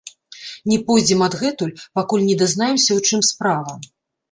Не пойдзем адгэтуль, пакуль не дазнаемся, у чым справа.